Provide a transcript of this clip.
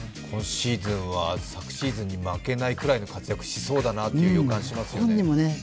今シーズンは昨シーズンに負けないくらいの活躍しそうだなという予感しますよね。